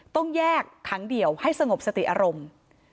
ต้องแยกครั้งเดียวให้สงบสติอารมณ์